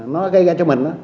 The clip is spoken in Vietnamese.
nó gây ra cho mình